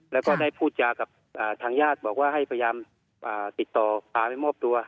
แล้วก็ได้พูดจากับทางญาติบอกว่าให้พยายามติดต่อพาไปมอบตัว